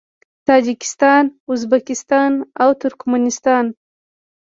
تاجکستان، ازبکستان او ترکمنستان